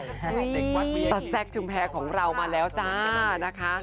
แต่แซคชึมแพ้ของเรามาแล้วจ้า